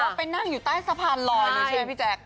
บอกว่าไปนั่งอยู่ใต้สะพานรอยดูใช่ไหมพี่แจ๊ก